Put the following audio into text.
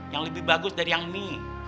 yang lebih bagus dari yang mie